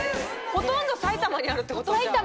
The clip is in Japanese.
ほとんど埼玉にあるってこと？